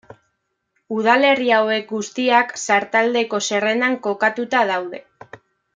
Udalerri hauek guztiak Sartaldeko Zerrendan kokatuta daude.